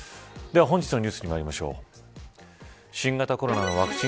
本日のニュースにまいりましょう。